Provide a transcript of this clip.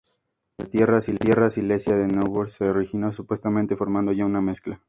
La Tierra Silícea de Neuburg se originó supuestamente formando ya una mezcla.